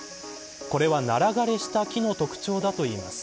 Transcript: これはナラ枯れした木の特徴だといいます。